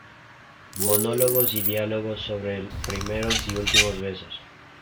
Monólogos y diálogos sobre primeros y últimos besos.